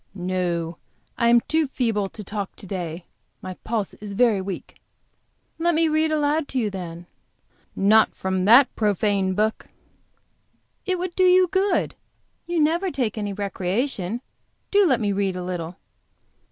"No, I am too feeble to talk to day. My pulse is very weak." "Let me read aloud to you, then." "Not from that profane book." "It would do you good. You never take any recreation. Do let me read a little."